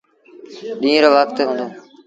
ڏيٚݩهݩ رو وکت هُݩدو۔